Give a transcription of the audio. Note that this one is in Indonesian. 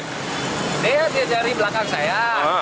dia dari belakang saya